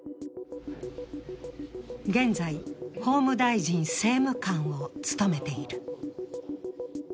現在、法務大臣政務官を務めている。